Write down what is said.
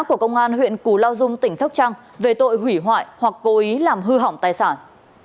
của công an huyện củ lao dung tỉnh sóc trăng về tội hủy hoại hoặc cố ý làm hư hỏng tài sản